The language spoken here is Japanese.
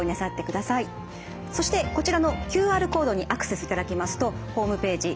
そしてこちらのＱＲコードにアクセスいただきますとホームページ